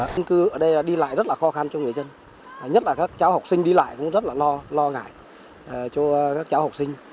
cư ở đây đi lại rất là khó khăn cho người dân nhất là các cháu học sinh đi lại cũng rất là lo ngại cho các cháu học sinh